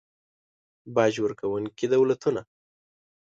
باج ورکونکي دولتونه